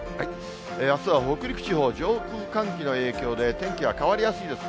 あすは北陸地方、上空、寒気の影響で天気は変わりやすいです。